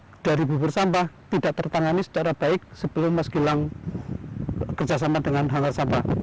kalau dari bubur sampah tidak tertangani secara baik sebelum mas gilang kerjasama dengan hangat sampah